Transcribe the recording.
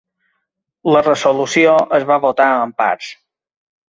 La resolució es va votar en parts.